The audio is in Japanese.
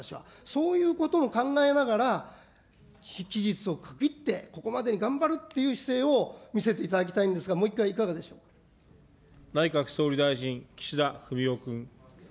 そういうことも考えながら、期日を区切って、ここまでに頑張るっていう姿勢を見せていただきたいんですが、もう一回、いかがでし内閣総理大臣、岸田文雄君。